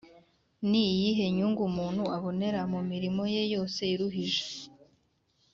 Ni iyihe nyungu umuntu abonera mu mirimo ye yose iruhije